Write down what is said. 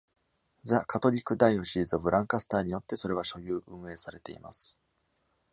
the Catholic Diocese of Lancaster によってそれは所有、運営されています。